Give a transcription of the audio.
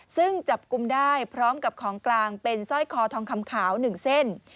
ซึ่งจับกลุ่มได้พร้อมกับของกลางเป็นสร้อยคอทองคำขาว๑เส้น